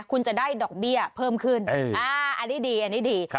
คุณจะได้ดอกเบี้ยเพิ่มขึ้นอันนี้ดีอันนี้ดี